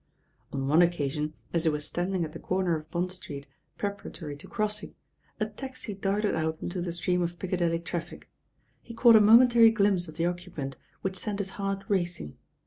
On one occasion, as he was standing at the corner of Bond Street, preparatory to crossing, a taxi darted out into the stream of Piccadilly traffic He caught a momentary glimpse of the occupant, which sent his heart racing.